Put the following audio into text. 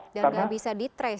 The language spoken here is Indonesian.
dan tidak bisa di trace